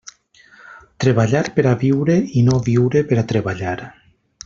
Treballar per a viure i no viure per a treballar.